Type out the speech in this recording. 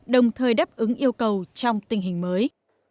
đồng thời đáp ứng yêu cầu trong tình hình mới